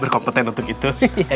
berkompeten untuk itu